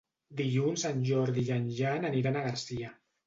Dilluns en Jordi i en Jan aniran a Garcia.